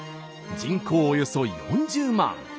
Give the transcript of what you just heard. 人口およそ４０万。